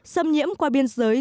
xâm nhiễm qua biên giới